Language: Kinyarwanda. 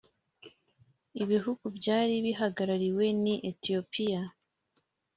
Ibihugu byari bihagarariwe ni Ethiopia